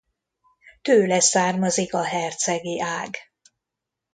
Tőle származik a hercegi ág.